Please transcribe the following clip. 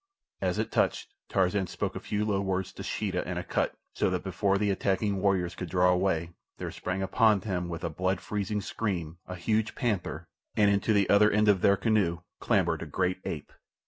As it touched Tarzan spoke a few low words to Sheeta and Akut, so that before the attacking warriors could draw away there sprang upon them with a blood freezing scream a huge panther, and into the other end of their canoe clambered a great ape.